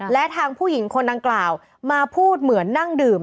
และทางผู้หญิงคนดังกล่าวมาพูดเหมือนนั่งดื่ม